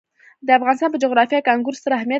د افغانستان په جغرافیه کې انګور ستر اهمیت لري.